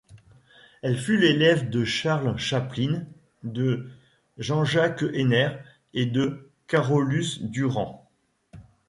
Elle fut l'élève de Charles Chaplin, de Jean-Jacques Henner et de Carolus-Duran.